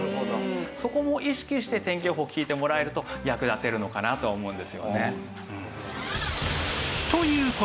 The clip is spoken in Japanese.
そこも意識して天気予報聞いてもらえると役立てるのかなと思うんですよね。